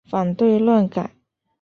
反对乱改！